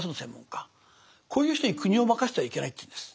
こういう人に国を任せてはいけないというんです。